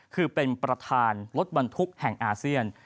คือเป็นประธานรถบรรทุกแห่งอาเซียน